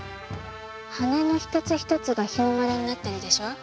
羽根の一つ一つが日の丸になってるでしょ。